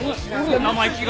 生意気が。